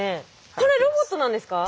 これロボットなんですか？